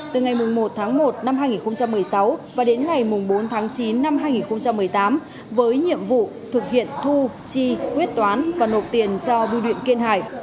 từ ngày một tháng một năm hai nghìn một mươi sáu và đến ngày bốn tháng chín năm hai nghìn một mươi tám với nhiệm vụ thực hiện thu chi quyết toán và nộp tiền cho biêu điện kiên hải